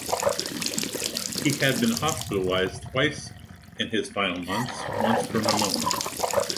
He had been hospitalized twice in his final months, once for pneumonia.